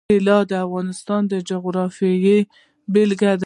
طلا د افغانستان د جغرافیې بېلګه ده.